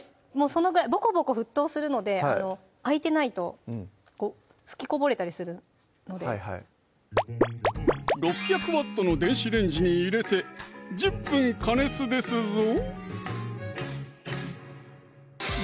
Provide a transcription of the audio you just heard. そのぐらいぼこぼこ沸騰するので開いてないと噴きこぼれたりするので６００Ｗの電子レンジに入れて１０分加熱ですぞ